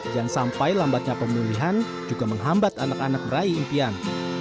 dan sampai lambatnya pemulihan juga menghambat anak anak meraih impian